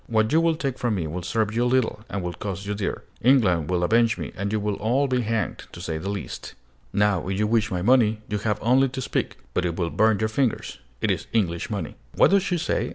What you will take from me will serve you little, and will cost you dear. England will avenge me, and you will all be hanged, to say the least. Now if you wish my money, you have only to speak; but it will burn your fingers: it is English money!" "What does she say?"